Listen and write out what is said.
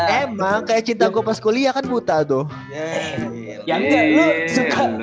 emang kayak cinta gue pas kuliah kan buta tuh